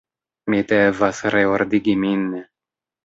Mi devas reordigi min.